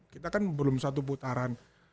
kita kan belum satu putaran